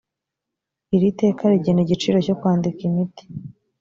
iri teka rigena igiciro cyo kwandika imiti